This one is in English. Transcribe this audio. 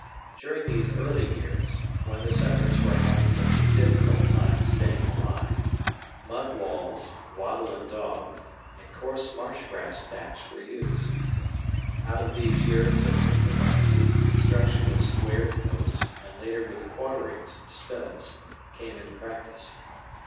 During these early years when the settlers were having such a difficult time staying alive mud walls, wattle and daub, and coarse marshgrass thatch were used. Out of these years of improvising, construction with squared posts, and later with quarterings (studs), came into practice.